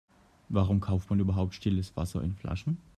Warum kauft man überhaupt stilles Wasser in Flaschen?